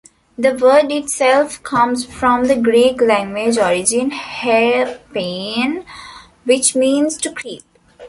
The word itself comes from the Greek language origin "herpien," which means "to creep".